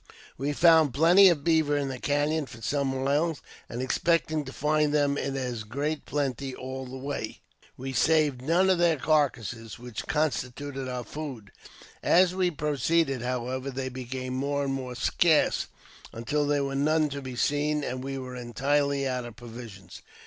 We found plenty of beaver in the cafion for some miles, and, expecting to find them in as great plenty all the way, we saved none of their carcases, which constituted our food. As we proceeded, however, they became more and more scarce, until there were none to be seen, and we were entirely out of provisions.